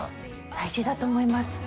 大事だと思います